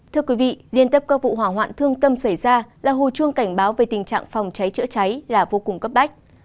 thưa quý vị liên tiếp các vụ hỏa hoạn thương tâm xảy ra là hồi chuông cảnh báo về tình trạng phòng cháy chữa cháy là vô cùng cấp bách